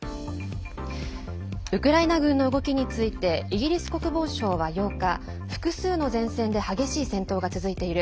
ウクライナ軍の動きについてイギリス国防省は８日複数の前線で激しい戦闘が続いている。